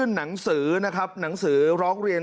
โหวตวันที่๒๒